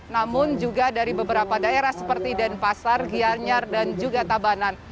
namun juga dari beberapa daerah seperti denpasar gianyar dan juga tabanan